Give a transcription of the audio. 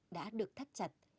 đã được thắt chặt